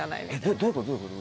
どういうこと？